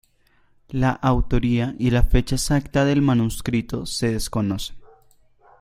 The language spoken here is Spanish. La autoría y la fecha exacta del manuscrito se desconocen.